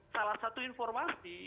salah satu informasi